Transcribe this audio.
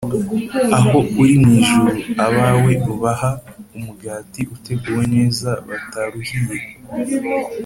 aho uri mu ijuru, abawe ubaha umugati uteguwe neza bataruhiye,